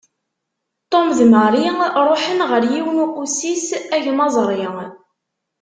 Tom d Mary ruḥen ɣer yiwen uqussis agmaẓri.